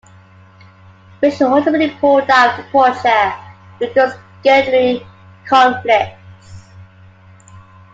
Rinsch ultimately pulled out of the project due to scheduling conflicts.